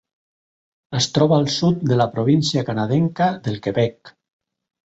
Es troba al sud de la província canadenca del Quebec.